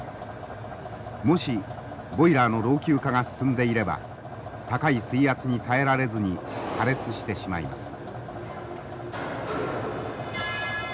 もしボイラーの老朽化が進んでいれば高い水圧に耐えられずに破裂してしまいます。